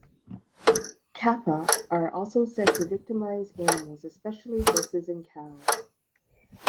"Kappa" are also said to victimize animals, especially horses and cows.